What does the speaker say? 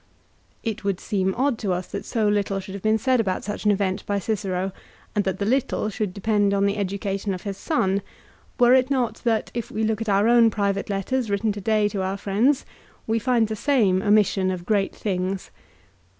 It would seem odd to us that so little should have been said about such an event by Cicero, and that the little should depend on the education of his son, were it not that if we look at our own private letters, written to day to our friends, we find the same omission of great things.